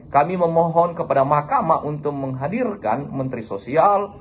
kami memohon kepada mahkamah untuk menghadirkan menteri sosial